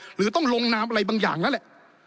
หรือต้องลงนามอะไรบางอย่างแล้วแหละ